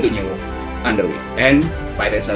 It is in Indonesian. dan stabilitas sistem finansial